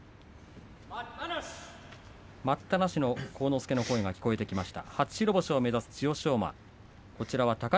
待ったなしの晃之助の声が聞こえてきました。